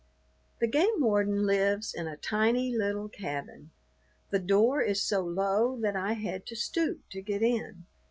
The game warden lives in a tiny little cabin. The door is so low that I had to stoop to get in.